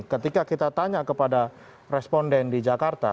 ketika kita tanya kepada responden di jakarta